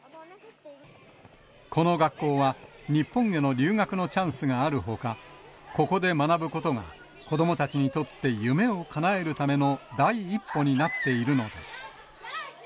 この学校は、日本への留学のチャンスがあるほか、ここで学ぶことが、子どもたちにとって夢をかなえるための第一歩になっているのです。